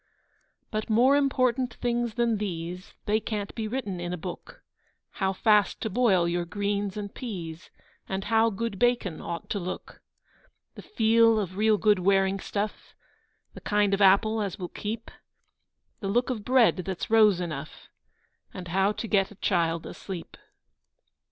But more important things than these, They can't be written in a book: How fast to boil your greens and peas, And how good bacon ought to look; The feel of real good wearing stuff, The kind of apple as will keep, The look of bread that's rose enough, And how to get a child asleep.